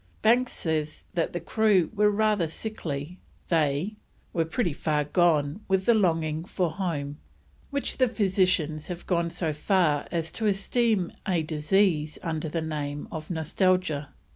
Banks says the crew were rather sickly, they: "were pretty far gone with the longing for home, which the physicians have gone so far as to esteem a disease under the name of Nostalgia.